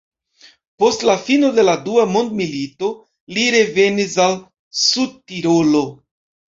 Post la fino de la dua mondmilito li revenis al Sudtirolo.